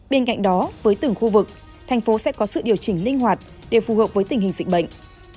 bên cạnh đó với từng khu vực thành phố sẽ có sự điều chỉnh linh hoạt để phù hợp với tình hình dịch bệnh